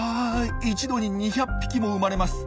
一度に２００匹も生まれます。